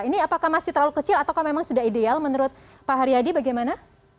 ini apakah masih terlalu kecil atau memang sudah ideal menurut pak haryadi bagaimana